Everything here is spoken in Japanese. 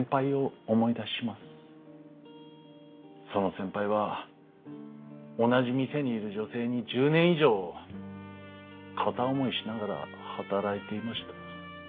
その先輩は同じ店にいる女性に１０年以上片思いしながら働いていました。